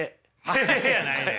てへへやないねん。